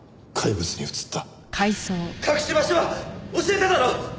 隠し場所は教えただろ！